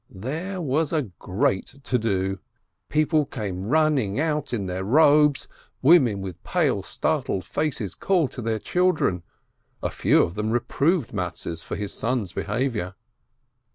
There was a great to do. People came running out in their robes, women with pale, startled faces called to their children. A few of them reproved Mattes for his son's behavior.